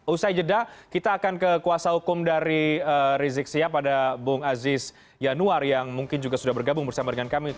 usai jeda kita akan ke kuasa hukum dari rizik sihab ada bung aziz yanuar yang mungkin juga sudah bergabung bersama dengan kami